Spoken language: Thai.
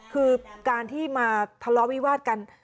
คือการที่มาทะเลาะวิวาดกัน